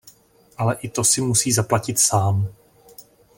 Ale i to si musí zaplatit sám.